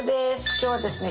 今日はですね